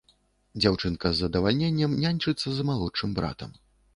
Дзяўчынка з задавальненнем няньчыцца з малодшым братам.